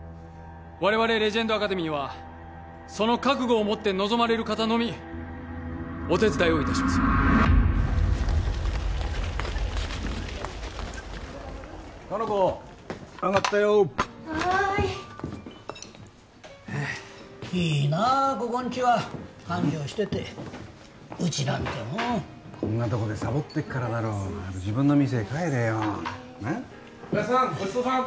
我々レジェンドアカデミーはその覚悟を持って臨まれる方のみお手伝いをいたしますかの子あがったよはーいいいなあここんちは繁盛しててうちなんてもうこんなとこでさぼってっからだろ早く自分の店へ帰れよおやっさん